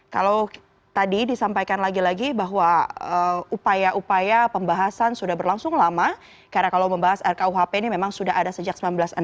kalau tadi disampaikan lagi lagi bahwa upaya upaya pembahasan sudah berlangsung lama karena kalau membahas rkuhp ini memang sudah ada sejak seribu sembilan ratus enam puluh